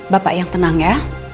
bapak yang tenang ya